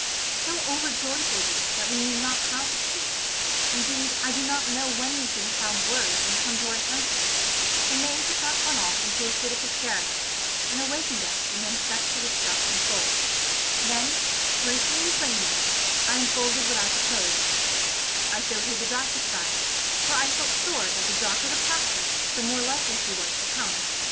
So overjoyed were we that we knew not how to speak; indeed I do not know when we should have found words and come to our senses, if the maid had not gone off into a fit of hysterics, and awakened us to the necessity of self control; then, briefly and plainly, I unfolded what I proposed; I showed her the darkest side, for I felt sure that the darker the prospect the more likely she was to come.